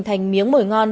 thành miếng mồi ngon